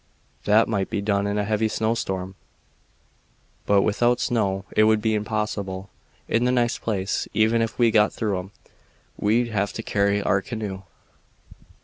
That might be done in a heavy snowstorm, but without snow it would be impossible. In the next place, even if we got through 'em, we'd have to carry our canoe."